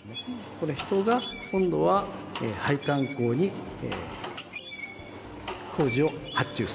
この、人が今度は配管工に工事を発注する。